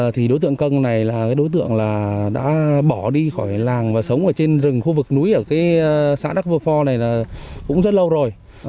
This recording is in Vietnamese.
thì đối tượng cân này là đối tượng đã bỏ đi khỏi làng và sống ở trên rừng khu vực núi ở xã đắc bờ phò này cũng rất lâu rồi